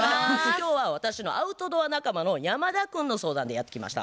今日は私のアウトドア仲間の山田君の相談でやって来ました。